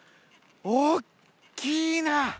おっきいな！